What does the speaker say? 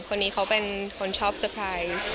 คนนี้เขาเป็นคนชอบเซอร์ไพรส์